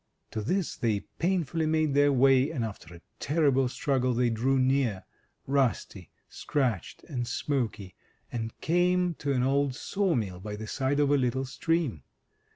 To this they painfully made their way, and after a terrible struggle, they drew near — rusty, scratched, and smoky — and came to an old saw mill by the side of a little stream.